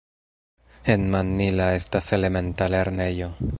En Mannila estas elementa lernejo.